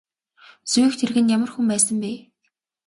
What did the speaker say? Сүйх тэргэнд ямар хүн байсан бэ?